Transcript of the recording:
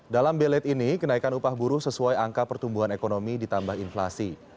dalam belet ini kenaikan upah buruh sesuai angka pertumbuhan ekonomi ditambah inflasi